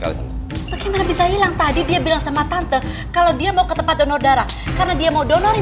kalau kamu paham